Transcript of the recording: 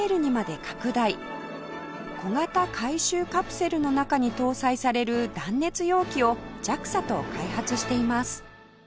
小型回収カプセルの中に搭載される断熱容器を ＪＡＸＡ と開発しています